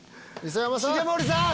重盛さん！